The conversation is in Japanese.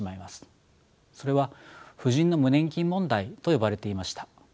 それは婦人の無年金問題と呼ばれていました。